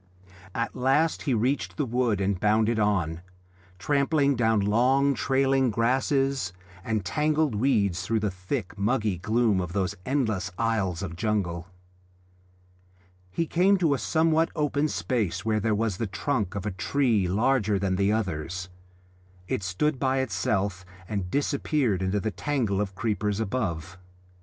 At last he reached the wood and bounded on, trampling down long trailing grasses and tangled weeds through the thick, muggy gloom of those endless aisles of jungle. He came to a somewhat open space where there was the trunk of a tree larger than the others; it stood by itself and disappeared into the tangle of creepers above.